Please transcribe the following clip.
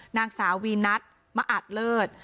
นางสาววีนัทมะอาจเลิศ